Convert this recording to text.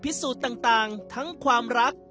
การที่บูชาเทพสามองค์มันทำให้ร้านประสบความสำเร็จ